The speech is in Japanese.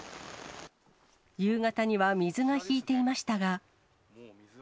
夕方には水が引いていましたが。